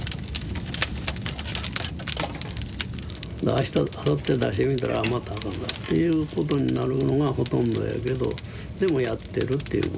あしたあさって出してみたらああまたあかんかったっていうことになるのがほとんどやけどでもやってるっていうことですね。